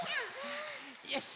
よし。